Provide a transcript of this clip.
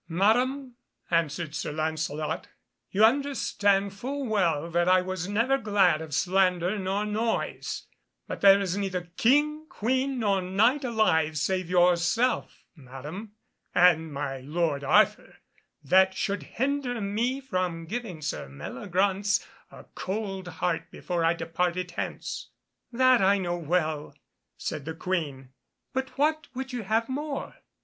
"Madam," answered Sir Lancelot, "you understand full well that I was never glad of slander nor noise, but there is neither King, Queen, nor Knight alive, save yourself, Madam, and my lord Arthur, that should hinder me from giving Sir Meliagraunce a cold heart before I departed hence." "That I know well," said the Queen, "but what would you have more?